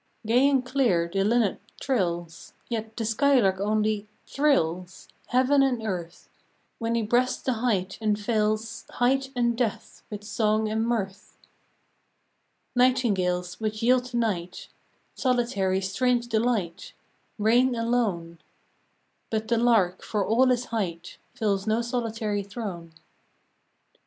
" Gay and clear the linnet trills; Yet the skylark only, thrills Heaven and earth When he breasts the height, and fills Height and depth with song and mirth. 148 FROM QUEENS' GARDENS. " Nightingales which yield to night, Solitary strange delight, Reign alone : But the lark for all his height Fills no solitary throne.